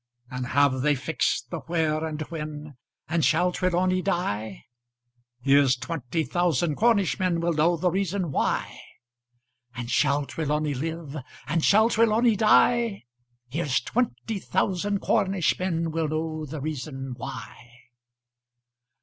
And have they fixed the where and when? And shall Trelawny die? Here's twenty thousand Cornish men Will know the reason why! And shall Trelawny live? Or shall Trelawny die? Here's twenty thousand Cornish men Will know the reason why!